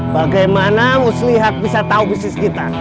bagaimana muslihat bisa tahu bisnis kita